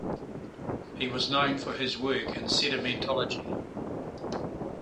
He was known for his work in sedimentology.